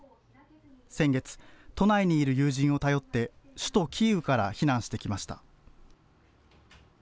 先月、都内にいる友人を頼って首都キーウから避難してきました。